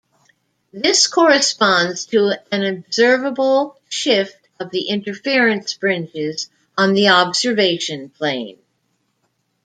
This corresponds to an observable shift of the interference fringes on the observation plane.